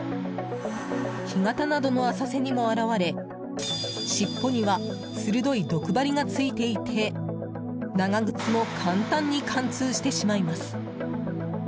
干潟などの浅瀬にも現れ尻尾には鋭い毒針がついていて長靴も簡単に貫通してしまいます。